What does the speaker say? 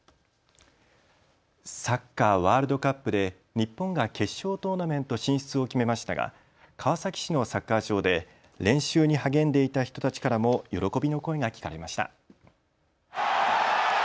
サッカーワールドカップで日本が決勝トーナメント進出を決めましたが川崎市のサッカー場で練習に励んでいた人たちからも喜びの声が聞かれました。